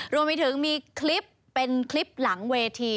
รวมไปถึงมีคลิปเป็นคลิปหลังเวที